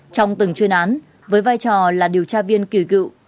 trong từng chuyên án với vai trò là điều tra viên kỳ cựu